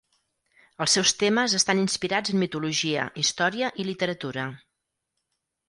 Els seus temes estan inspirats en mitologia, història i literatura.